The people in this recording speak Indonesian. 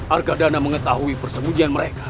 arkadana mengetahui persembunyian mereka